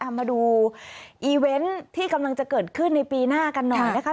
มาดูอีเวนต์ที่กำลังจะเกิดขึ้นในปีหน้ากันหน่อยนะคะ